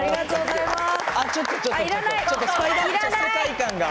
いらない！